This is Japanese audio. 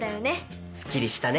すっきりしたね。